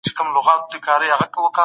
ليکوال په خپل اثر کي يو مهم پيغام لري.